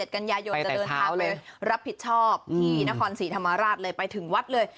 กันยายนจะเดินทางไปรับผิดชอบที่นครศรีธรรมราชเลยไปถึงวัดเลย